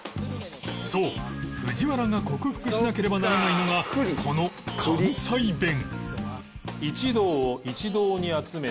そう藤原が克服しなければならないのがこの関西弁